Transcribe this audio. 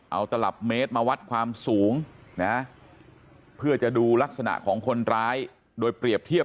เอาตลับเมตรมาวัดความสูงนะเพื่อจะดูลักษณะของคนร้ายโดยเปรียบเทียบ